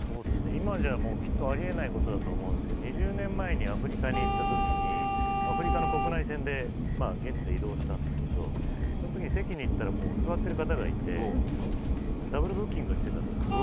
今じゃ、もうきっとありえないことだと思うんですけど、２０年前にアフリカに行ったときに、アフリカの国内線で、現地で移動したんですけど、そのときに席に行ったら、もう座っている方がいて、ダブルブッキングをしてたんです。